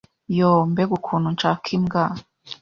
Yoo mbega ukuntu nshaka imbwa,